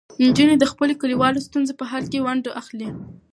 نجونې د خپلو کلیوالو ستونزو په حل کې ونډه اخلي.